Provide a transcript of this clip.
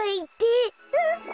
うん。